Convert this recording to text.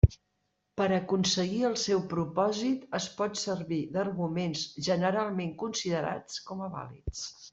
Per aconseguir el seu propòsit es pot servir d'arguments generalment considerats com a vàlids.